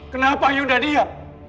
kenapa yunda diam